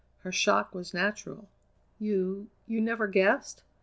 Her shock was natural. "You you never guessed?